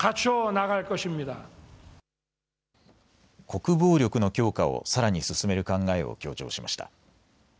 国防力の強化をさらに進める考えを強調しました。